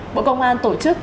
bộ công an tổ chức